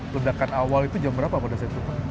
ledakan awal itu jam berapa pada saat itu pak